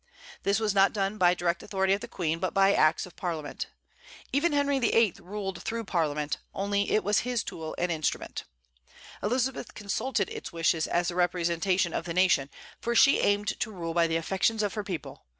This was not done by direct authority of the Queen, but by acts of Parliament. Even Henry VIII. ruled through the Parliament, only it was his tool and instrument. Elizabeth consulted its wishes as the representation of the nation, for she aimed to rule by the affections of her people.